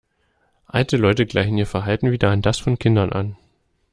Alte Leute gleichen ihr Verhalten wieder an das von Kindern an.